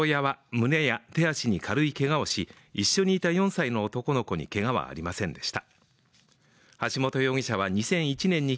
元妻と父親は胸や手足に軽いけがをし、一緒にいた４歳の男の子にけがはありませんでした。